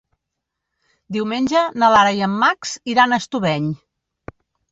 Diumenge na Lara i en Max iran a Estubeny.